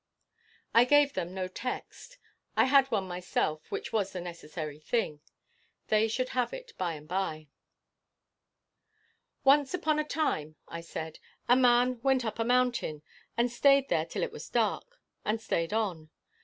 I gave them no text. I had one myself, which was the necessary thing. They should have it by and by. "Once upon a time," I said, "a man went up a mountain, and stayed there till it was dark, and stayed on.